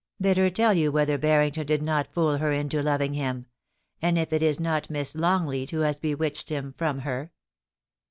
*Bid her tell you whether Barrington did not fool her into loving him; and if it is not Miss Longleat who has bewitched him from her